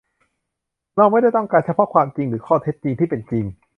เราไม่ได้ต้องการเฉพาะความจริง หรือข้อเท็จจริงที่เป็นจริง